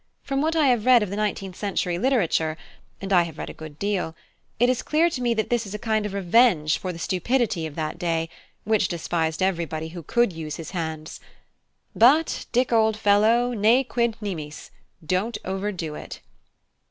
From what I have read of the nineteenth century literature (and I have read a good deal), it is clear to me that this is a kind of revenge for the stupidity of that day, which despised everybody who could use his hands. But Dick, old fellow, Ne quid nimis! Don't overdo it!"